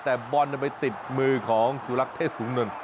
แต่บอลมันไปติดมือของสุรคเทศศูนย์